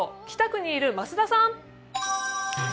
北区にいる増田さん。